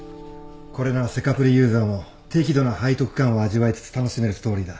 これならセカプリユーザーも適度な背徳感を味わいつつ楽しめるストーリーだ。